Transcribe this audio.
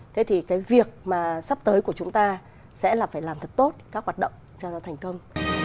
thế thì cái việc mà sắp tới của chúng ta sẽ là phải làm thật tốt các hoạt động cho nó thành công